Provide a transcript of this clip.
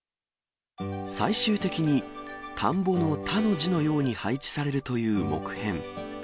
最終的に、田んぼの田の字のように配置されるという木片。